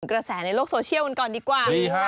กระแสในโลกโซเชียลกันก่อนดีกว่า